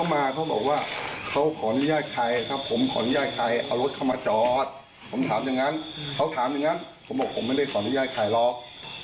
ไม่ได้ถ่ายรอบ